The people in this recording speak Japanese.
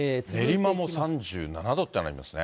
練馬も３７度になっていますね。